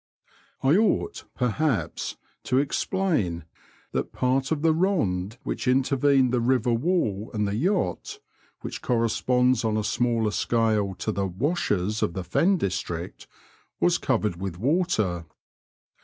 I ought, perhaps, to explain that part of the rond which intervened the river wall and the yacht (which corresponds on a smaller scale to the washes " of the Fen district) was covered with water.